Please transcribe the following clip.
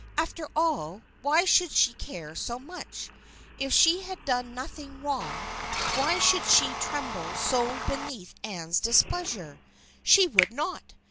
After all, why should she care so much ? If she had done nothing wrong, why should she tremble so beneath Anne's displeasure ? She would not